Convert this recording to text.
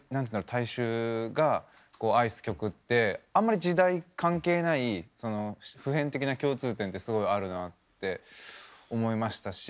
大衆が愛す曲ってあんまり時代関係ない普遍的な共通点ってすごいあるなって思いましたし